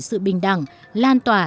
sự bình đẳng lan tỏa